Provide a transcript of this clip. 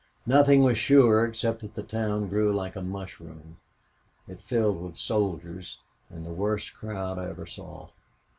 Nothing was sure, except that the town grew like a mushroom. It filled with soldiers and the worst crowd I ever saw.